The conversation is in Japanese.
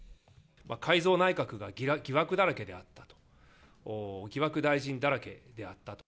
改造内閣が疑惑だらけであったと、疑惑大臣だらけであったと。